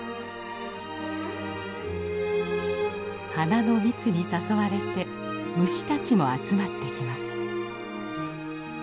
花の蜜に誘われて虫たちも集まってきます。